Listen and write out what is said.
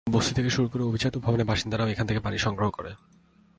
বস্তি থেকে শুরু করে অভিজাত ভবনের বাসিন্দারাও এখানে থেকে পানি সংগ্রহ করে।